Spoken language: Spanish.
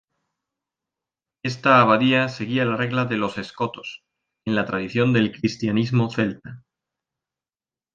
Esta abadía seguía la regla de los Escotos, en la tradición del cristianismo celta.